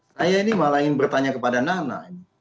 saya ini malah ingin bertanya kepada nana